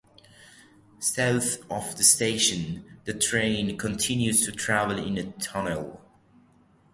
South of the station, the train continues to travel in a tunnel.